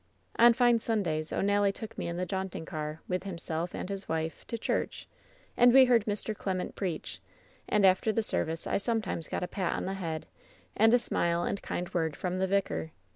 "On fine Sundays O'Nally took me in the jaunting car, with himself and his wife, to church, and we heard Mr. Clement preach, and after the service I sometimes got a pat on the head, and a smile and kind word from the vicar.